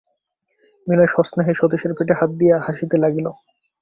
বিনয় সস্নেহে সতীশের পিঠে হাত দিয়া হাসিতে লাগিল।